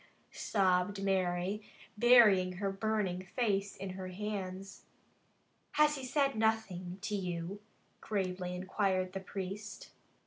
sobbed Mary, burying her burning face in her hands. "Has he said nothing to you?" gravely inquired the priest.